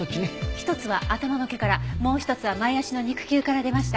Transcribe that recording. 一つは頭の毛からもう一つは前脚の肉球から出ました。